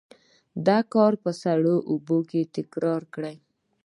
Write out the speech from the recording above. دا کار په سړو اوبو کې تکرار کړئ.